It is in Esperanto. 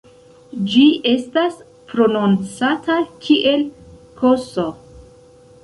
Ĝi estas prononcata kiel "ks".